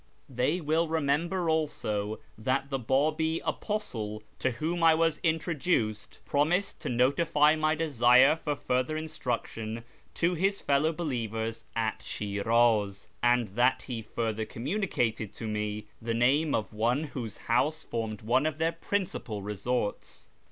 They will remember also that the Babi apostle to whom I was introduced promised to notify my desire for fuller in struction to his fellow believers at ShiKiz, and that he further communicated to me the name of one whose house formed one of their principal resorts.